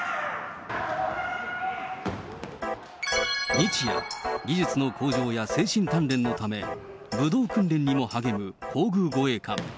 日夜、技術や精神鍛錬のため、武道訓練にも励む皇宮護衛官。